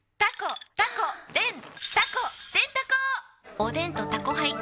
おでんと「タコハイ」ん！